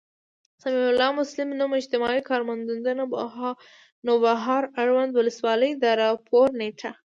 سمیع الله مسلم، نـــوم، اجتماعي کارمنددنــده، نوبهار، اړونــد ولسـوالـۍ، د راپــور نیــټه